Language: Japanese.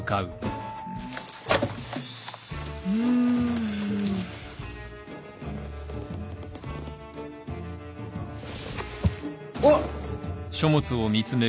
うん。あっ！